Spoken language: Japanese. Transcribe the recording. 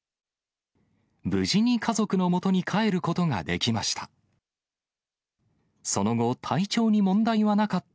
無事に家族のもとへ帰ることができました。